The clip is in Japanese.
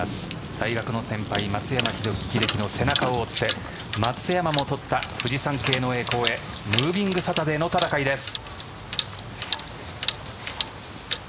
大学の先輩・松山英樹の背中を追って松山も取ったフジサンケイの栄光へムービングサタデーの戦いです。